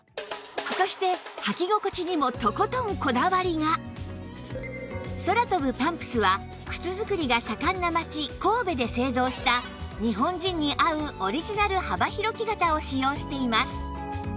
そして空飛ぶパンプスは靴作りが盛んな街神戸で製造した日本人に合うオリジナル幅広木型を使用しています